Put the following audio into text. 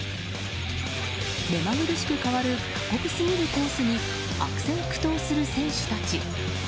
目まぐるしく変わる過酷すぎるコースに悪戦苦闘する選手たち。